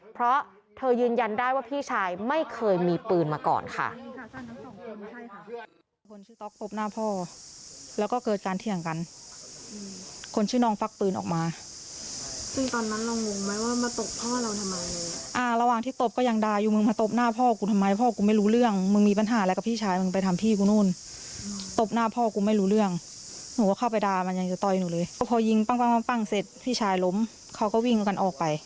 เพราะเธอยืนยันได้ว่าพี่ชายไม่เคยมีปืนมาก่อนค่ะ